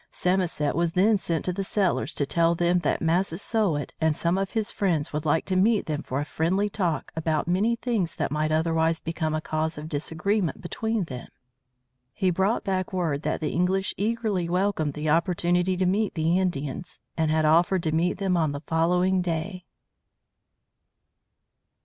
Samoset was then sent to the settlers to tell them that Massasoit and some of his friends would like to meet them for a friendly talk about many things that might otherwise become a cause of disagreement between them. He brought back word that the English eagerly welcomed the opportunity to meet the Indians, and had offered to see them on the following day.